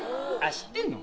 知ってんの？